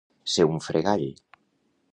Ser un fregall.